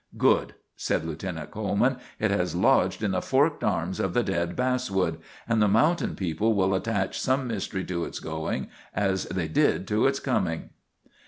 "Good!" said Lieutenant Coleman; "it has lodged in the forked arms of the dead basswood; and the mountain people will attach some mystery to its going, as they did to its coming."